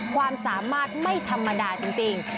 ความสามารถไม่ธรรมดาจริง